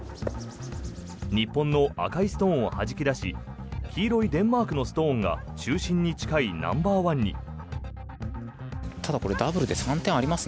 日本の赤いストーンをはじき出し黄色いデンマークのストーンが中心に近いナンバーワンに。